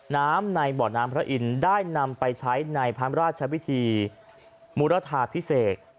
น้ำในบ่อน้ำพระอินทร์ได้นำไปใช้ในพระราชวิธีมุรทาพิเศษ